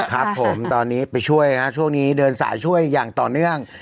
ครับผมตอนนี้ไปช่วยฮะช่วงนี้เดินสายช่วยอย่างต่อเนื่อง